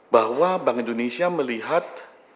bahwa bank indonesia melihat